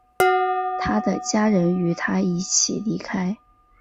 他的家人与他一起离开。